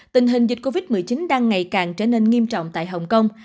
tình hình dịch covid một mươi chín đang ngày càng trở nên nghiêm trọng tại hồng kông